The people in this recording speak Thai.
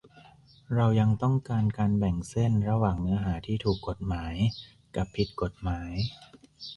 เรายังต้องการการแบ่งเส้นระหว่างเนื้อหาที่ถูกกฎหมาย กับผิดกฎหมาย